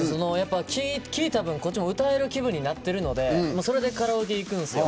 聴いた分、こっちも歌える気分になってるのでそれでカラオケ行くんですよ。